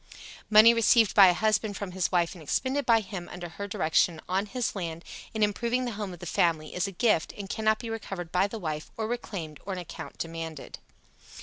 Money received by a husband from his wife and expended by him, under her direction, on his land, in improving the home of the family, is a gift, and cannot be recovered by the wife, or reclaimed, or an account demanded.